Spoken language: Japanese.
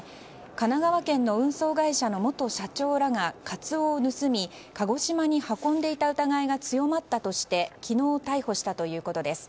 神奈川県の運送会社の元社長らがカツオを盗み鹿児島に運んでいた疑いが強まったとして昨日逮捕したということです。